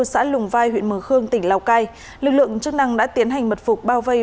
xã lùng vai huyện mường khương tỉnh lào cai lực lượng chức năng đã tiến hành mật phục bao vây